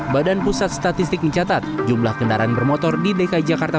badan pusat statistik mencatat jumlah kendaraan bermotor di dki jakarta